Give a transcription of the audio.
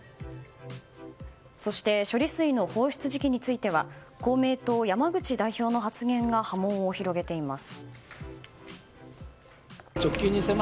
そして処理水の放出時期については公明党、山口代表の発言が波紋を広げています。